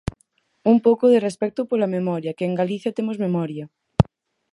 Un pouco de respecto pola memoria, que en Galicia temos memoria.